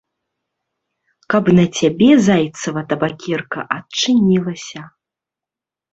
Каб на цябе зайцава табакерка адчынілася.